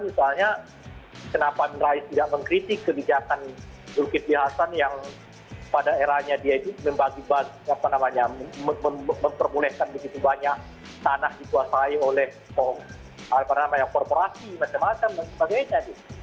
misalnya kenapa rais tidak mengkritik kebijakan rukidli hasan yang pada eranya dia itu mempermulihkan begitu banyak tanah dikuasai oleh korporasi dan sebagainya